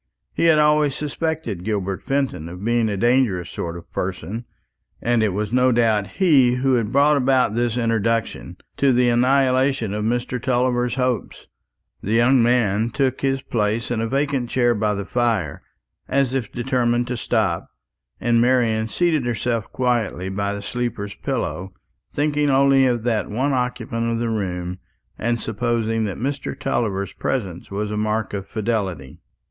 He had always suspected Gilbert Fenton of being a dangerous sort of person, and it was no doubt he who had brought about this introduction, to the annihilation of Mr. Tulliver's hopes. This young man took his place in a vacant chair by the fire, as if determined to stop; while Marian seated herself quietly by the sleeper's pillow, thinking only of that one occupant of the room, and supposing that Mr. Tulliver's presence was a mark of fidelity.